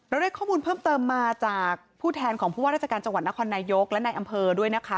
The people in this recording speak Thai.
ได้ข้อมูลเพิ่มเติมมาจากผู้แทนของผู้ว่าราชการจังหวัดนครนายกและในอำเภอด้วยนะคะ